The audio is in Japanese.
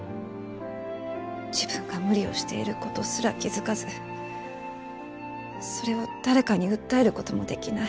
自分が無理をしている事すら気づかずそれを誰かに訴える事もできない。